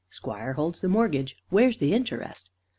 Squire holds the mortgage; Where's the interest?